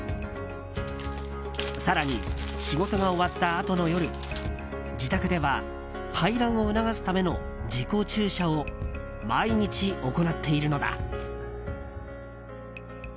更に、仕事が終わったあとの夜自宅では排卵を促すための自己注射を毎日行っているのだ。